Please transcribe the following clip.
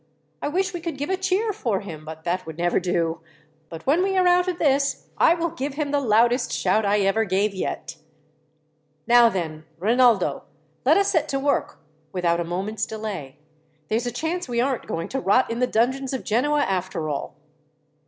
I wish we could give a cheer for him, but that would never do. But when we are out of this, I will give him the loudest shout I ever gave yet. "Now then, Rinaldo, let us set to work without a moment's delay. There's a chance we aren't going to rot in the dungeons of Genoa, after all."